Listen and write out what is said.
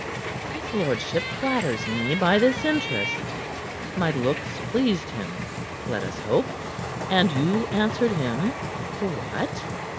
"His lordship flatters me by this interest. My looks pleased him, let us hope. And you answered him what?"